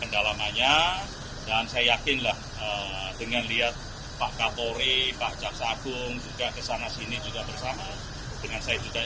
pendalamannya dan saya yakinlah dengan lihat pak kapolri pak jaksa agung juga kesana sini juga bersama dengan saya juga